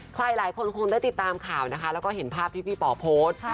ใครหลายคนคงได้ติดตามข่าวนะคะแล้วก็เห็นภาพที่พี่ป๋อโพสต์